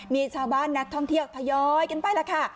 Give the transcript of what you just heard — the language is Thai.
มีชาวบ้านนักท่องเที่ยวทยอยกันไปแล้วค่ะ